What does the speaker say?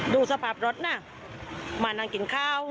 ดูสภาพรถนะมานั่งกินข้าว